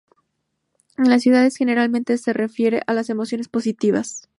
En las ciudades, generalmente se refiere a las emociones positivas.